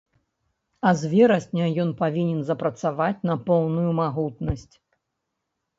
А з верасня ён павінен запрацаваць на поўную магутнасць.